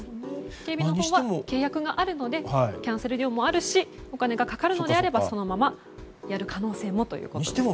警備の人は契約があるのでキャンセル料もあるしお金がかかるのであればそのままやる可能性もということです。